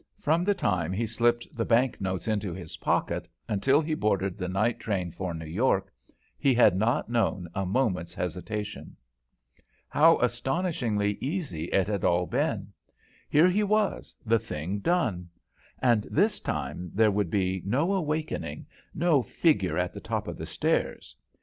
From the time he slipped the bank notes into his pocket until he boarded the night train for New York, he had not known a moment's hesitation. How astonishingly easy it had all been; here he was, the thing done; and this time there would be no awakening, no figure at the top of the stairs.